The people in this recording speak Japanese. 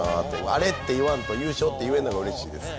アレって言わんと優勝って言うのがうれしいです。